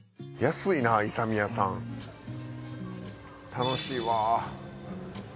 楽しいわ。